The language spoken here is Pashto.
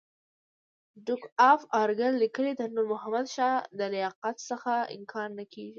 ډوک اف ارګایل لیکي د نور محمد شاه د لیاقت څخه انکار نه کېږي.